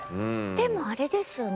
でもあれですよね